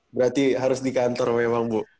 berarti harus di kantor memang bu